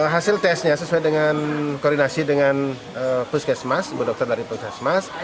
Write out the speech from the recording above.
hasil tesnya sesuai dengan koordinasi dengan puskesmas ibu dokter dari puskesmas